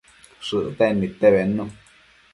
Chishpida niosh aid